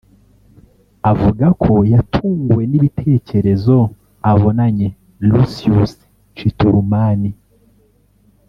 avuga ko yatunguwe n’ibitekerezo abonanye Luscious Chiturumani